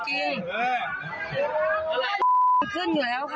ก็บอกแล้ว